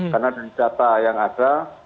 karena dari data yang ada